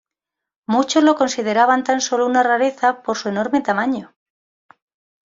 Muchos lo consideraban tan solo una rareza por su enorme tamaño.